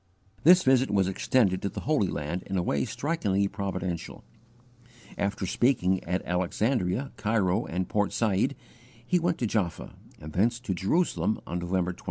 This visit was extended to the Holy Land in a way strikingly providential. After speaking at Alexandria, Cairo, and Port Said, he went to Jaffa, and thence to Jerusalem, on November 28.